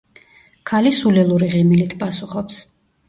ქალი სულელური ღიმილით პასუხობს.